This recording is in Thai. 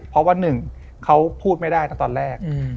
เพราะว่า๑เขาพูดไม่ได้ตอนแรก